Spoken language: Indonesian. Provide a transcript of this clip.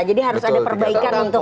jadi harus ada perbaikan untuk